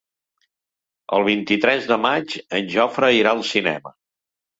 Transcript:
El vint-i-tres de maig en Jofre irà al cinema.